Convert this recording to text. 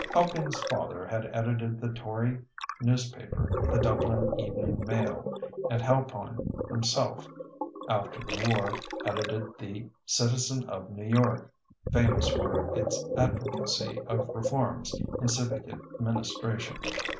Halpine's father had edited the Tory newspaper, the Dublin Evening Mail; and Halpine himself, after the war, edited the Citizen of New York, famous for its advocacy of reforms in civic administration.